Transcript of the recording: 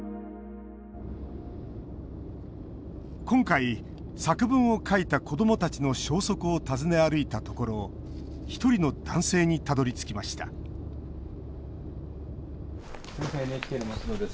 今回、作文を書いた子どもたちの消息を訪ね歩いたところ１人の男性にたどりつきましたＮＨＫの者です。